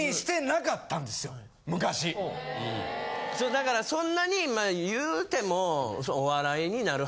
だからそんなに言うても。